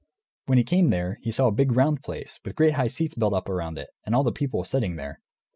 When he came there, he saw a big round place with great high seats built up around it, and all the people sitting there.